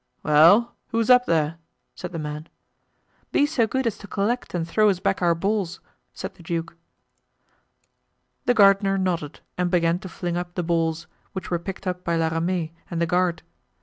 "Well? Who's up there?" said the man. "Be so good as to collect and throw us back our balls," said the duke. The gardener nodded and began to fling up the balls, which were picked up by La Ramee and the guard.